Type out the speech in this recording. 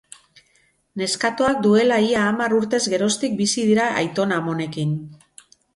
Neskatoak duela ia hamar urtez geroztik bizi dira aitona-amonekin.